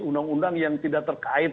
undang undang yang tidak terkait